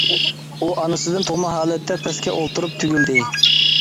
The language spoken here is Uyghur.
ئۇ ئانىسىدىن تۇغما ھالەتتە پەسكە ئولتۇرۇپ تۈگۈلدى.